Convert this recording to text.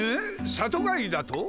里帰りだと？